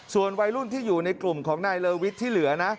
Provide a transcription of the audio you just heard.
ส่วนวัยรุ่นที่อยู่ในกลุ่มของนายเลอวิทย์ที่เหลือนะ